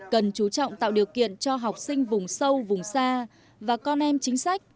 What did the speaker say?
cần chú trọng tạo điều kiện cho học sinh vùng sâu vùng xa và con em chính sách